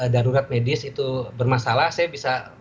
darurat medis itu bermasalah saya bisa